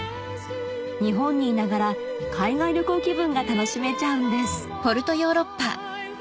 日本にいながら海外旅行気分が楽しめちゃうんです